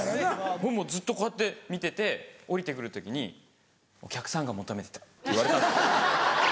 僕もうずっとこうやって見てて下りて来る時に「お客さんが求めてた」って言われたんです。